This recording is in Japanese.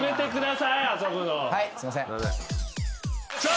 はいすいません。